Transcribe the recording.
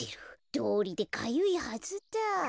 どうりでかゆいはずだ。